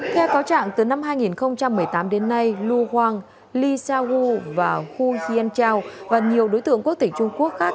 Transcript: theo cáo trạng từ năm hai nghìn một mươi tám đến nay lu hoang lee sa hu và hu hien chau và nhiều đối tượng quốc tỉnh trung quốc khác